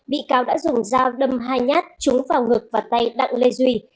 bị cáo đã dùng dao đâm hai nhát trúng vào ngực và tay đặng lê duy